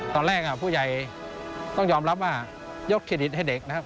ตอนแรกผู้ใหญ่ต้องยอมรับว่ายกเครดิตให้เด็กนะครับ